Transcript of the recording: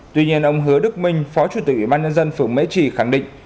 tuy nhiên ông hứa đức minh phó chủ tịch ủy ban nhân dân phường mễ trì khẳng định